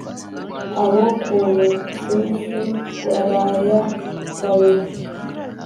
abo ku rucushu barayatabira